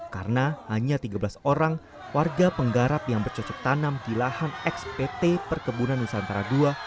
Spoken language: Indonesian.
karena hanya tiga belas orang warga penggarap yang bercocok tanam di lahan xpt perkebunan nusantara ii